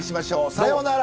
さようなら。